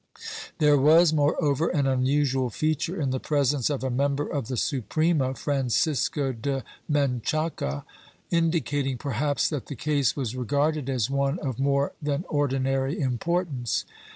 There was, moreover, an unusual feature in the presence of a member of the Suprema, Francisco de Menchaca, indicating perhaps that the case was regarded as one of more than ordinary importance.